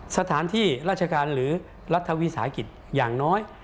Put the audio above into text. สถานที่ราชการหรือรัฐวิสาหกิจอย่างน้อย